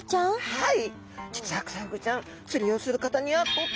はい。